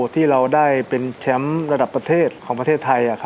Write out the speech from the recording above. ที่เราได้เป็นแชมป์ระดับประเทศของประเทศไทย